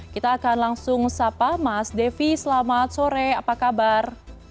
kita akan langsung sapa mas devi selamat sore apa kabar